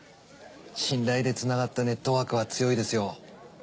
信頼でつながったネットワークは強いですよ。